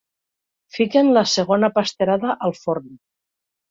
Fiquen la segona pasterada al forn.